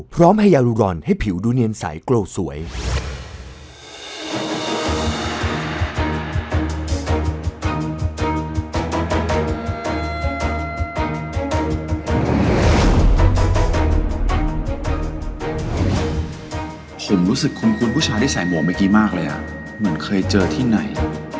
ผมรู้สึกคุ้มคุ้นผู้ชายที่ใส่หมวกเมื่อกี้มากเลยอ่ะเหมือนเคยเจอที่ไหน